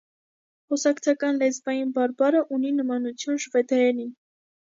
Խոսակցական լեզվային բարբառը ունի նմանություն շվեդերենին։